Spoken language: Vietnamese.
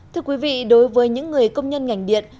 thưa quý vị đối với những người công nhân ngành điện